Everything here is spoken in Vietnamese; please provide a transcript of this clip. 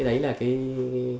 đấy là cái